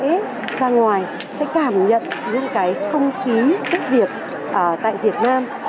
còn các bạn sẽ ra ngoài sẽ cảm nhận những cái không khí tết việt tại việt nam